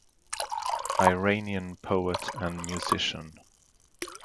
Iranian poet and musician.